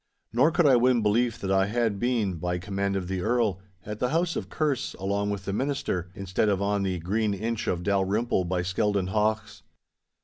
Nor could I win belief that I had been, by command of the Earl, at the house of Kerse along with the Minister, instead of on the green inch of Dalrymple by Skeldon haughs.